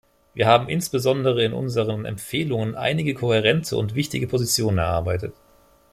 Wir haben insbesondere in unseren Empfehlungen einige kohärente und wichtige Positionen erarbeitet.